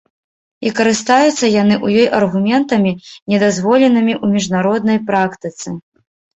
І карыстаюцца яны ў ёй аргументамі, недазволенымі ў міжнароднай практыцы.